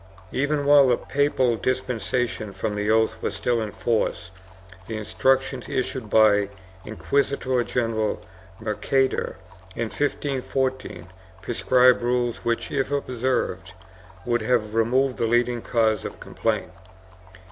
Even while the papal dispensation from the oaths was still in forcer the Instructions issued by Inquisitor general Mercader, in 15147 prescribed rules which, if observed, would have removed the leading causes of complaint.